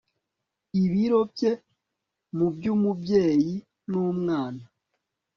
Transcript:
ibiro bye mu by'umubyeyi n'umwana